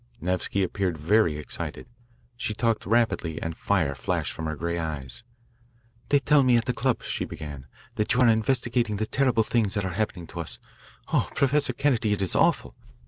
Nevsky appeared very excited. She talked rapidly, and fire flashed from her grey eyes. "They tell me at the club," she began, " that you are investigating the terrible things that are happening to us. Oh, Professor Kennedy, it is awful!